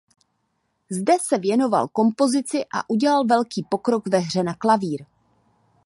Zde se věnoval kompozici a udělal velký pokrok ve hře na klavír.